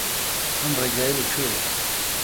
ئەم ڕێگایە لەکوێیە؟